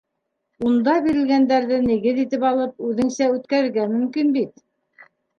Унда бирелгәндәрҙе нигеҙ итеп алып, үҙеңсә үткәрергә мөмкин бит.